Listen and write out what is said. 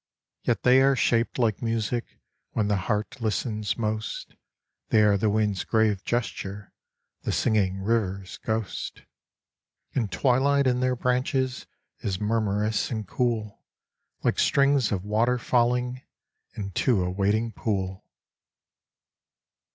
Yet they are shaped like music When the heart listens most ! They are the wind's grave gesture, The singing river's ghost, And twilight in their branches Is murmurous and cool, Like strings of water falling Into a waiting pool.